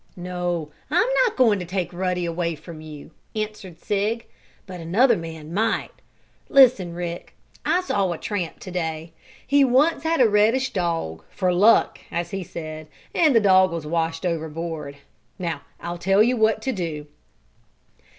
"No, I'm not going to take Ruddy away from you," answered Sig; "but another man might. Listen, Rick! I saw a tramp to day. He once had a reddish dog, for luck, as he said, and the dog was washed overboard. Now I'll tell you what to do."